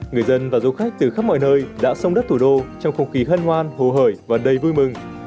người dân và du khách từ khắp mọi nơi đã xông đất thủ đô trong không kỳ hân hoan hồ hởi và đầy vui mừng